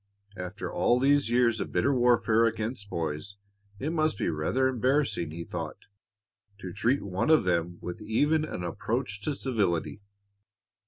After all these years of bitter warfare against boys it must be rather embarrassing, he thought, to treat one of them with even an approach to civility.